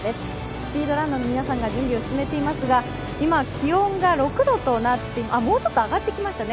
スピードランナーの皆さんが準備を始めていますが今、気温が６度もうちょっと上がってきましたね。